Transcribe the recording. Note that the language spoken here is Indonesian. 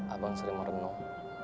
abang sering merenung